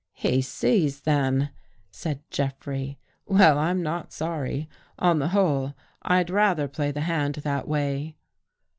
" He sees, then," said Jeffrey. " Well, I'm not sorry. On the whole. I'd rather play the hand that way."